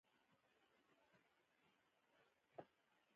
بامیان د افغانستان د اقتصادي ودې لپاره خورا ډیر ارزښت لري.